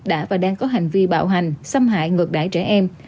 đã và đang có hành vi bạo hành xâm hại ngược đại trẻ em